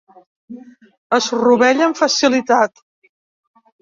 Es rovella amb facilitat.